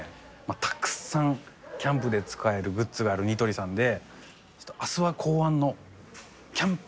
たくさんキャンプで使えるグッズがあるニトリさんで。